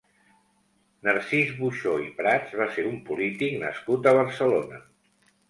Narcís Buxó i Prats va ser un polític nascut a Barcelona.